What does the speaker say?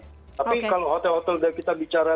tapi kalau hotel hotel dan kita bicara